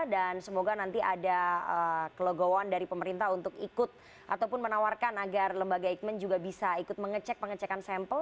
dan semoga nanti ada kelegoan dari pemerintah untuk ikut ataupun menawarkan agar lembaga eikman juga bisa ikut mengecek pengecekan sampel